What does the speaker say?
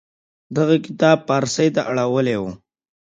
دغه کتاب پارسي ته اړولې و.